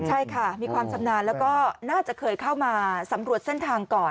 ใช่ค่ะมีความชำนาญแล้วก็น่าจะเคยเข้ามาสำรวจเส้นทางก่อน